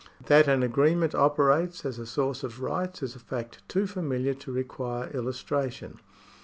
That an agreement operates as a source of rights is a fact too familiar to require illustration.